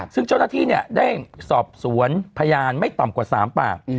ซึ่งเจ้าหน้าที่ได้สอบสวนพยานไม่ต่ำกว่า๓ปาก